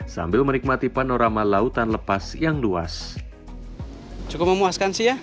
sambil menikmati panorama lautan lepas yang luas